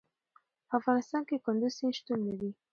په افغانستان کې کندز سیند شتون لري.